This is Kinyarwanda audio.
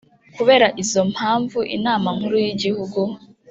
kubera izo mpamvu inama nkuru y igihugu